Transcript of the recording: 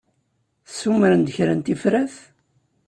Ssumren-d kra n tifrat?